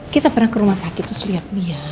kita pernah ke rumah sakit terus lihat dia